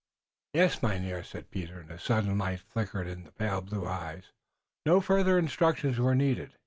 "Yes, Mynheer," said Peter, and a sudden light flickered in the pale blue eyes. No further instructions were needed.